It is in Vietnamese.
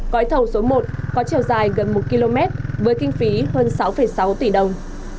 gói thầu số một có chiều dài gần một km với kinh phí hơn sáu sáu tỷ đồng